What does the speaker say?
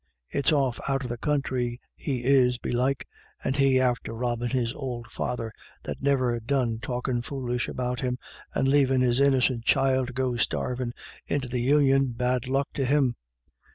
It's off out of the counthry he is, belike, and he after robbin' his ould father, that's niver done talkin' foolish about him, and lavin' his innicent child to go starvin' into the Union — bad luck to him."